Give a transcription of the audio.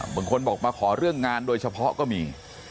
บางคนบอกมาขอเรื่องงานโดยเฉพาะก็มี